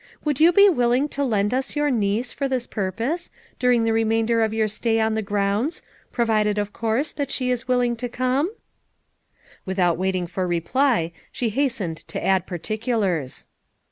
"Would jou he willing to lend us your niece for this purpose, during the re mainder of your stay on the grounds, provided of course that she is willing to comet" Without waiting for reply, she hastened to add particulars.